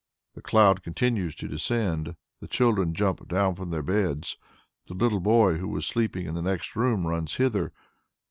The cloud continues to descend. The children jump down from their beds. The little boy who was sleeping in the next room runs hither.